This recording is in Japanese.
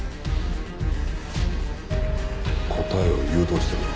答えを誘導してるな。